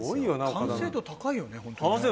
完成度高いよね。